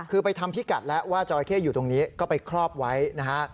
คือไปทำพิกัดแล้วว่าจราเข้อยู่ตรงนี้ก็ไปครอบไว้นะฮะ